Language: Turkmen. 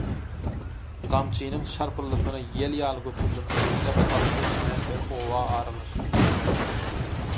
Gamçynyň şarpyldysyna ýel ýaly göterilen atlar salym geçmänkä oba aralaşdy.